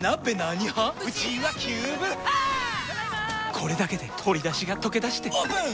これだけで鶏だしがとけだしてオープン！